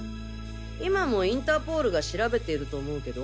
今もインターポールが調べていると思うけど。